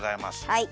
はい。